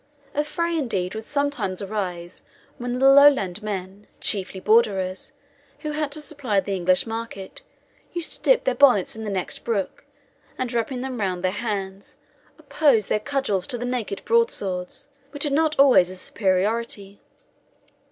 A fray, indeed, would sometimes arise, when the Lowlandmen, chiefly Borderers, who had to supply the English market, used to dip their bonnets in the next brook, and wrapping them round their hands, oppose their cudgels to the naked broadswords, which had not always the superiority.